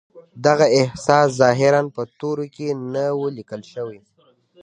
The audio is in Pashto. دغه احساس ظاهراً په تورو کې نه و ليکل شوی.